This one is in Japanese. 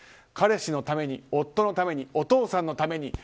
彼氏のために夫のためにお父さんのために！